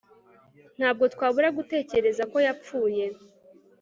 Ntabwo twabura gutekereza ko yapfuye